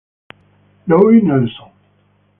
Louie Nelson